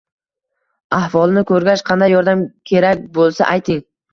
Ahvolini koʻrgach qanday yordam kerak boʻlsa, ayting